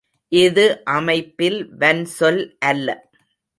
இது அமைப்பில் வன்சொல் அல்ல.